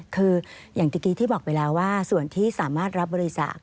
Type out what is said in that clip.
คืออย่างเมื่อกี้ที่บอกไปแล้วว่าส่วนที่สามารถรับบริจาค